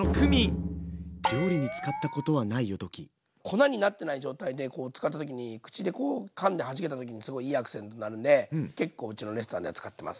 粉になってない状態で使った時に口でこうかんではじけた時にすごいいいアクセントになるんで結構うちのレストランでは使ってますね。